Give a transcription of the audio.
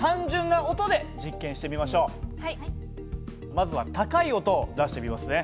まずは高い音を出してみますね。